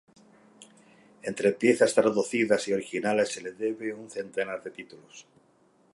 Entre piezas traducidas y originales se le debe un centenar de títulos.